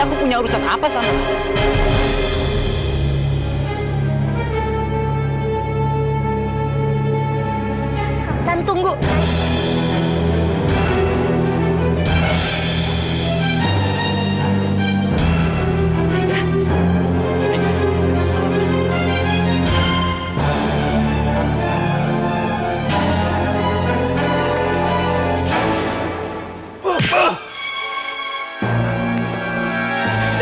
ada urusan apa padahal sama aida